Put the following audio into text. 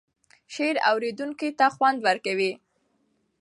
شعر اوریدونکی ته خوند ورکوي.